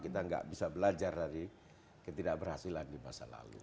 kita nggak bisa belajar dari ketidakberhasilan di masa lalu